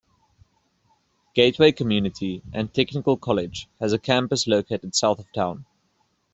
Gateway Community and Technical College has a campus located south of town.